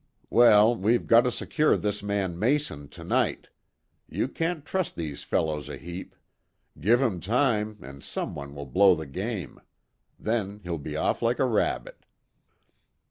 "Well, we've got to secure this man Mason to night. You can't trust these fellows a heap. Give 'em time, and some one will blow the game. Then he'll be off like a rabbit."